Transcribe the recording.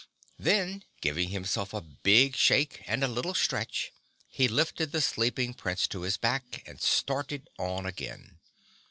Then, giving himself a big shake and a little stretch, he lifted the sleeping Prince to his back and started on again.